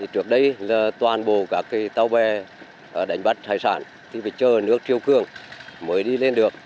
trước đây toàn bộ các tàu bè đánh bắt hải sản phải chờ nước triều cương mới đi lên được